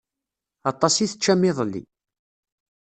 Aṭas i teččam iḍelli.